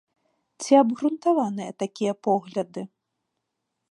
Ці абгрунтаваныя такія погляды?